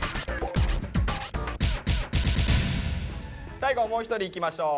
最後もう一人いきましょう。